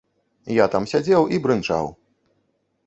Я там сядзеў і брынчаў.